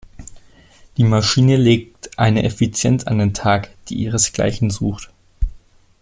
Die Maschine legt eine Effizienz an den Tag, die ihresgleichen sucht.